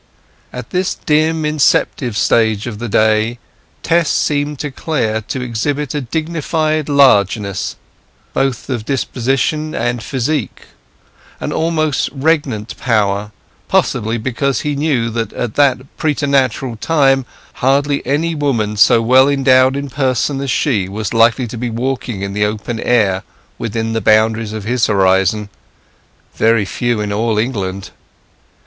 At this dim inceptive stage of the day Tess seemed to Clare to exhibit a dignified largeness both of disposition and physique, an almost regnant power, possibly because he knew that at that preternatural time hardly any woman so well endowed in person as she was likely to be walking in the open air within the boundaries of his horizon; very few in all England.